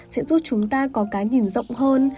sẽ giúp chúng ta có cái nhìn rộng hơn